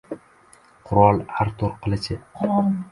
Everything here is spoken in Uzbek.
-Qirol Artur qilichi!